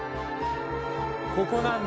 ここなんだ。